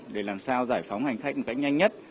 để làm sao giải phóng hành khách một cách nhanh nhất